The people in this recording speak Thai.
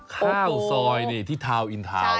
ข้าวซอยที่ทาวอินทาว